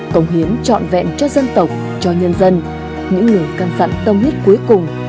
cống hiến trọn vẹn cho dân tộc cho nhân dân những lời căn dặn tâm huyết cuối cùng